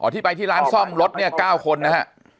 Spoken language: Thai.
ที่ไปที่ร้านซ่อมรถเนี่ย๙คนนะฮะ